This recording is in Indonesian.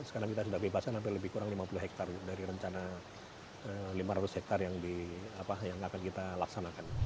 sekarang kita sudah bebaskan hampir lebih kurang lima puluh hektare dari rencana lima ratus hektare yang akan kita laksanakan